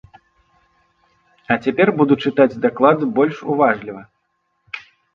А цяпер буду чытаць даклад больш уважліва.